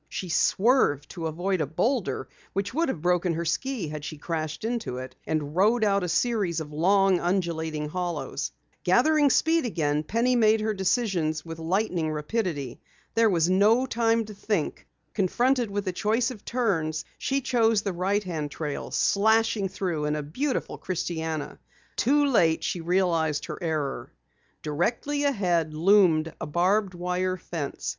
She swerved to avoid a boulder which would have broken her ski had she crashed into it, and rode out a series of long, undulating hollows. Gathering speed again, Penny made her decisions with lightning rapidity. There was no time to think. Confronted with a choice of turns, she chose the right hand trail, slashing through in a beautiful christiana. Too late, she realized her error. Directly ahead loomed a barbed wire fence.